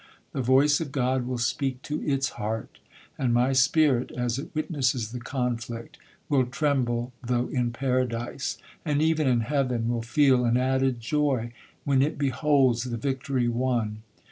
The voice of God will speak to its heart, and my spirit, as it witnesses the conflict, will tremble though in paradise,—and, even in heaven, will feel an added joy, when it beholds the victory won.